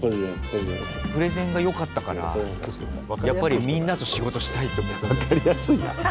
プレゼンがよかったからやっぱりみんなと仕事したいと思ったんだ。